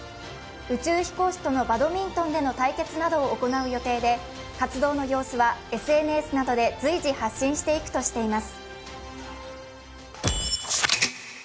宇宙飛行士とのバドミントンの対決などを行う予定で、活動の様子はＳＮＳなどで随時発信していくとしています。